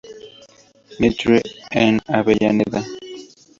Mitre en Avellaneda.